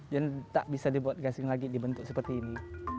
jadi tak bisa dibuat gasing lagi dibentuk seperti ini